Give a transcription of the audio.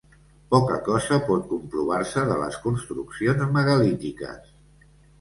Poca cosa pot comprovar-se de les construccions megalítiques.